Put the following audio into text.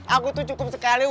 aku tuh cukup sekali